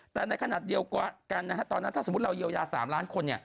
แต่ในขณะเดียวกันนะฮะตอนนั้นถ้าสมมุติเราเยียวยา๓ล้านคน